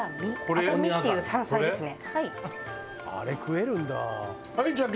アザミっていう山菜ですね。